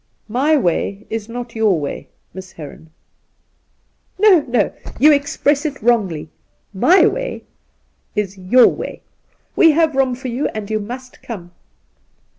' My way is not your way. Miss Heron.' ' No, no ; you express it wrongly. My way is your way. We have room for you and you must come.'